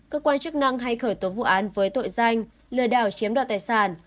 cơ quan chức năng hay khởi tố vụ án với tội danh lừa đảo chiếm đoạt tài sản